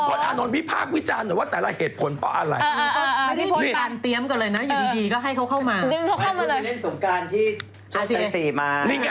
มันขาวถูกเข้าขวาพี่พลสมาเลย